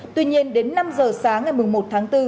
tuy nhiên đến năm giờ sáng ngày một mươi một tháng bốn